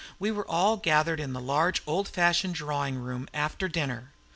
We were all gathered in the large old fashioned drawing room after dinner.